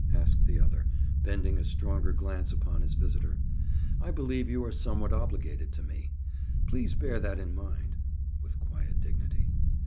asked the other, bending a stronger glance upon his visitor. "I believe you are somewhat obligated to me. Please bear that in mind." With quiet dignity.